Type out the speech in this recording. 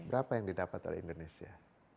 berapa yang didapat oleh indonesia